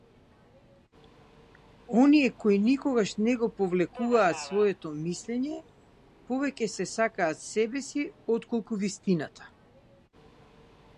Оние кои никогаш не го повлекуваат своето мислење, повеќе се сакаат себеси отколку вистината.